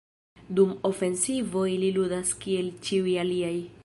Dum ofensivo ili ludas kiel ĉiuj aliaj.